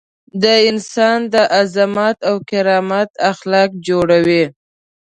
د انسان د عظمت او کرامت اخلاق جوړوي.